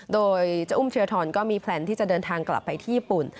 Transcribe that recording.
โดยเจ้าอุ้มเทียทรก็มีแพลนที่จะเดินทางกลับไปที่ญี่ปุ่น